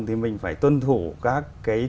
thì mình phải tuân thủ các cái